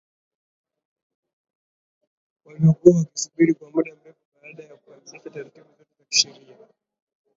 waliokuwa wakisubiri kwa muda mrefu baada ya kukamilisha taratibu zote za kisheria